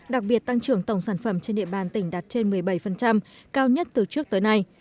đặc biệt tăng trưởng tổng sản phẩm trên địa bàn tỉnh đạt trên một mươi bảy cao nhất từ trước tới nay